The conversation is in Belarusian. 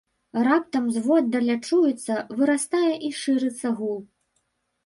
Раптам зводдаля чуецца, вырастае і шырыцца гул.